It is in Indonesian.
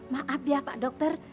maap ya pak dokter